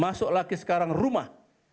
masuk lagi sekarang rumah